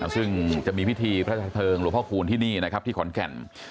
ซึ่งจะมีพิธีพระราชเทิงหลวงพ่อคูณที่นี่นะครับที่ขอนแก่น